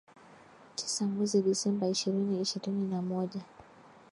tisa mwezi Disemba ishini ishirni na moja